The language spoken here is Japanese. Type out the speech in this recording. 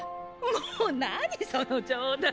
もぉ何その冗談！